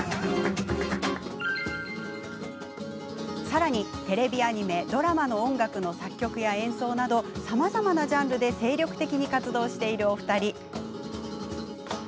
さらに、テレビアニメドラマの音楽の作曲や演奏などさまざまなジャンルで精力的に活動している、お二人。